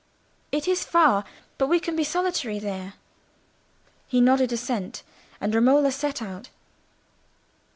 It is far, but we can be solitary there." He nodded assent, and Romola set out.